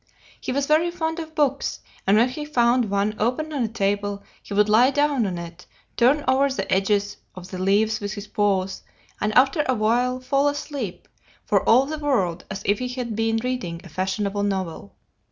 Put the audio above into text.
He was very fond of books, and when he found one open on a table he would lie down on it, turn over the edges of the leaves with his paws, and after a while fall asleep, for all the world as if he had been reading a fashionable novel.